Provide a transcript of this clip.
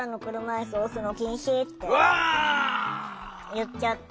言っちゃって。